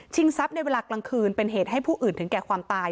ทรัพย์ในเวลากลางคืนเป็นเหตุให้ผู้อื่นถึงแก่ความตาย